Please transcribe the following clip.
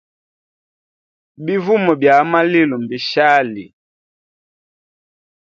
Bivuma bya a malilo mbishali.